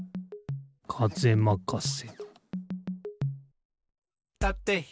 かぜまかせ。